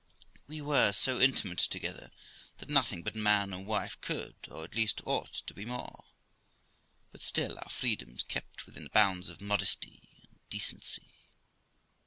We were so intimate together that nothing but man and wife could, or at least ought, to be more; but still our freedoms kept within the bounds of modesty and decency.